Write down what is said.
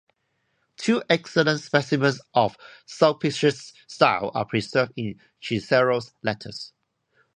Two excellent specimens of Sulpicius's style are preserved in Cicero's letters.